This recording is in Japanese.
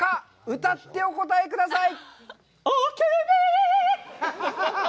歌ってお答えください。